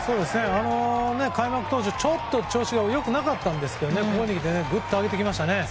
開幕当初、ちょっと調子が良くなかったんですけどここにきてぐっと上げてきました。